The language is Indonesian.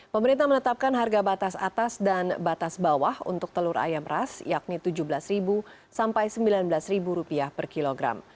pemerintah menetapkan harga batas atas dan batas bawah untuk telur ayam ras yakni rp tujuh belas sampai rp sembilan belas per kilogram